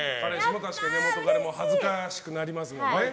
元カレも恥ずかしくなりますもんね。